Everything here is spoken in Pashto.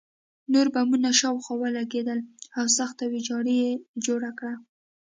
نور بمونه شاوخوا ولګېدل او سخته ویجاړي یې جوړه کړه